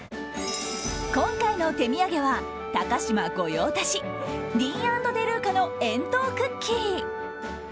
今回の手土産は高嶋御用達ディーン＆デルーカの円筒クッキー。